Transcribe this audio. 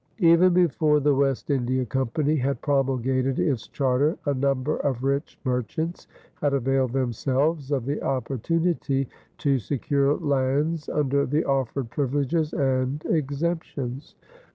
Even before the West India Company had promulgated its charter, a number of rich merchants had availed themselves of the opportunity to secure lands under the offered privileges and exemptions.